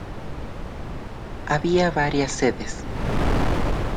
Había varias sedes.